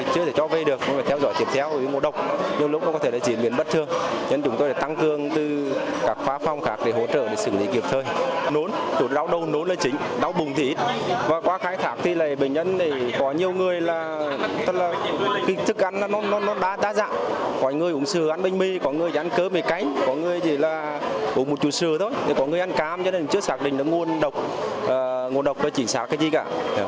có người ăn cơm một mươi cánh có người uống một chú sữa thôi có người ăn cam cho nên chưa xác định ngộ độc và chỉnh xác cái gì cả